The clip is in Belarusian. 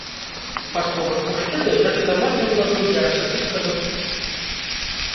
Па словах мужчыны, гэты тавар ён набыў для асабістага спажывання.